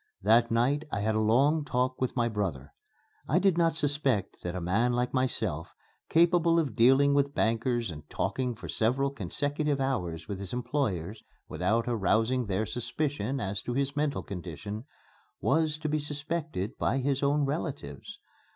That night I had a long talk with my brother. I did not suspect that a man like myself, capable of dealing with bankers and talking for several consecutive hours with his employers without arousing their suspicion as to his mental condition, was to be suspected by his own relatives.